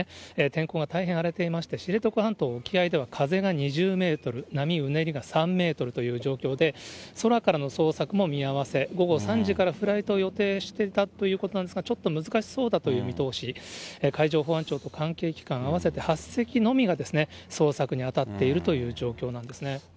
天候が大変荒れていまして、知床半島沖合では、風が２０メートル、波、うねりが３メートルという状況で、空からの捜索も見合わせ、午後３時からフライトを予定していたということなんですが、ちょっと難しそうだという見通し、海上保安庁と関係機関合わせて８隻のみが、捜索に当たっているという状況なんですね。